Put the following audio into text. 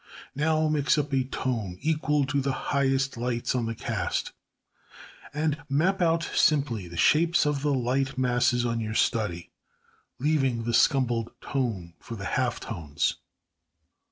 Now mix up a tone equal to the highest lights on the cast, and map out simply the shapes of the light masses on your study, leaving the scumbled tone for the half tones.